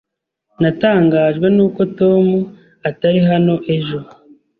Natangajwe nuko Tom atari hano ejo.